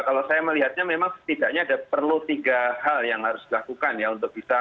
kalau saya melihatnya memang setidaknya ada perlu tiga hal yang harus dilakukan ya untuk bisa